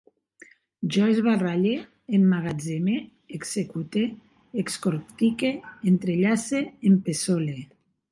Jo esbarralle, emmagatzeme, execute, excortique, entrellace, empeçole